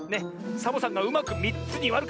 サボさんがうまく３つにわるから！